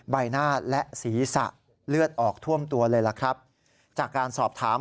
ใบหน้าและสีสะเลือดออกท่วมตัวเลยแหละจากการสอบถาม